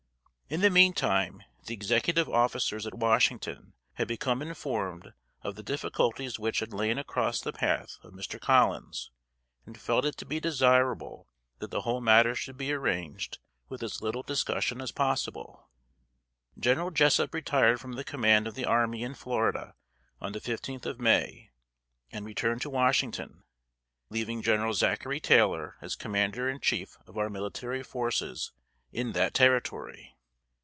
In the meantime, the Executive officers at Washington had become informed of the difficulties which had lain across the path of Mr. Collins, and felt it to be desirable that the whole matter should be arranged with as little discussion as possible. General Jessup retired from the command of the army in Florida on the fifteenth of May, and returned to Washington, leaving General Zachary Taylor as commander in chief of our military forces in that Territory.